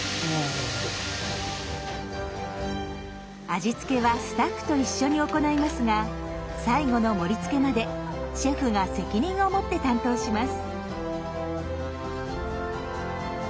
味付けはスタッフと一緒に行いますが最後の盛りつけまでシェフが責任を持って担当します。